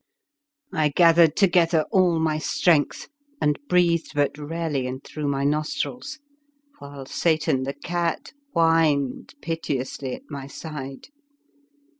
I gathered together all my strength, and breathed but rarely and through my nostrils; while Satan, the cat, whined piteously at my side.